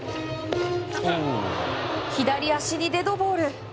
左足にデッドボール。